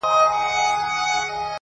ماهېره که،